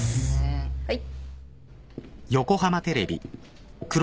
はい。